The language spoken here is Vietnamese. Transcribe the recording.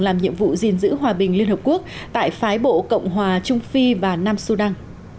làm nhiệm vụ gìn giữ hòa bình liên hợp quốc tại phái bộ cộng hòa trung phi và nam sudan